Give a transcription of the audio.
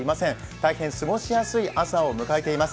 大変過ごしやすい朝を迎えています。